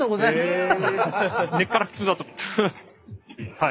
はい。